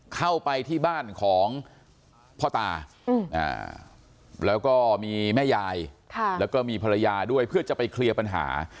เข้าไปที่บ้านของพ่อตาแล้วก็มีแม่ยายแล้วก็มีภรรยาด้วยเพื่อจะไปเคลียร์ปัญหา